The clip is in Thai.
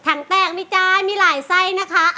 งแตกมีจ้ามีหลายไส้นะคะ